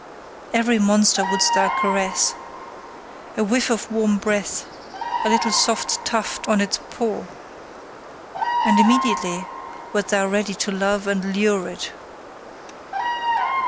Every monster wouldst thou caress. A whiff of warm breath, a little soft tuft on its paw : and immediately wert thou ready to love and lure it.